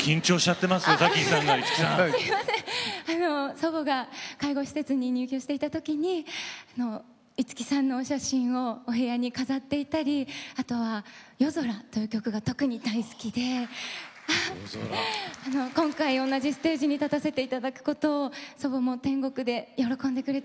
祖母が介護施設に入居していた時に五木さんのお写真をお部屋に飾っていたりあとは「夜空」という曲が特に大好きで今回同じステージに立たせていただくことを祖母も天国で喜んでくれてると思います。